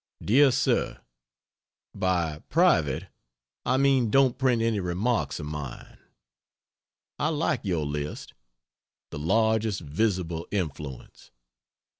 DEAR SIR, By "private," I mean don't print any remarks of mine. .................. I like your list. The "largest visible influence."